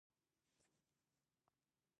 مور مې غاړې رغولې.